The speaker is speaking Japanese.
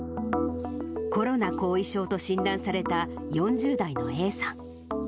コロナ後遺症と診断された、４０代のＡさん。